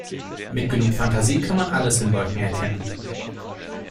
Mit genug Fantasie kann man alles in Wolken erkennen.